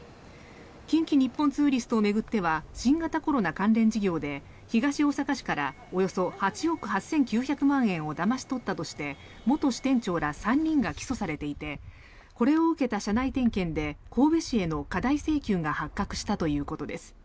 近畿日本ツーリストを巡っては新型コロナ関連事業で東大阪市からおよそ８億８９００万円をだまし取ったとして元支店長ら３人が起訴されていてこれを受けた社内点検で神戸市への過大請求が発覚したということです。